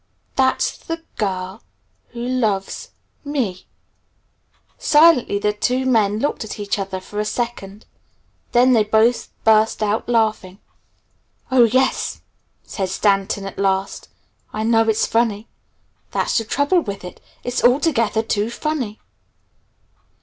That's the girl who loves me!" Silently the two men looked at each other for a second. Then they both burst out laughing. "Oh, yes," said Stanton at last, "I know it's funny. That's just the trouble with it. It's altogether too funny."